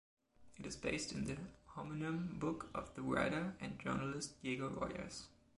It is based in the homonym book of the writer and journalist Diego Rojas.